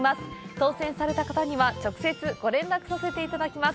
当せんされた方には、直接ご連絡させていただきます。